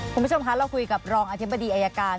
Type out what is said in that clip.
คุณผู้ชมคะเราคุยกับรองอธิบดีอายการ